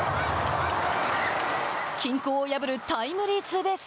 均衡を破るタイムリーツーベース。